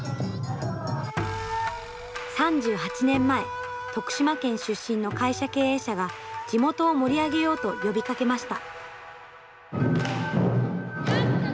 ３８年前徳島県出身の会社経営者が地域を盛り上げようと呼びかけました。